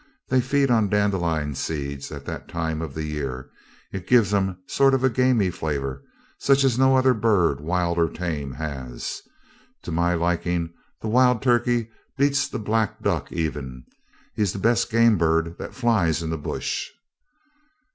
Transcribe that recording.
They feed on dandelion seeds at that time of the year. It gives 'em a sort of gamy flavour such as no other bird, wild or tame, has. To my liking the wild turkey beats the black duck even. He's the best game bird that flies in the bush.